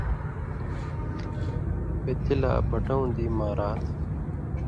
بے تی لا، بٹؤں دی مارا تھہ،